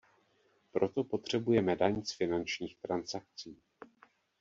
Proto potřebujeme daň z finančních transakcí.